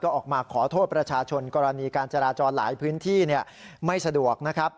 ออกมาขอโทษประชาชนกรณีการจราจรหลายพื้นที่ไม่สะดวกนะครับ